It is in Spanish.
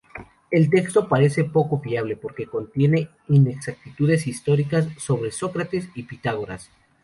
El texto parece poco fiable, porque contiene inexactitudes históricas sobre Sócrates y Pitágoras.